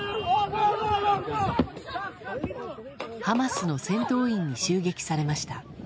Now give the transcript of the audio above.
ハマスの戦闘員に襲撃されました。